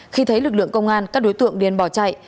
khi thấy lực lượng công an các đối tượng điên bò chạy